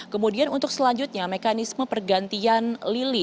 kemudian untuk selanjutnya mekanisme pergantian lili